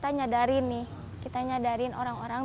dalam film kita nyadarin nih kita nyadarin orang orang